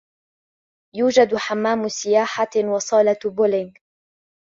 يوجد حمام سياحة وصالة بولينج.